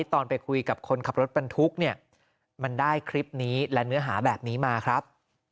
ตอนไปคุยกับคนขับรถบรรทุกเนี่ยมันได้คลิปนี้และเนื้อหาแบบนี้มาครับ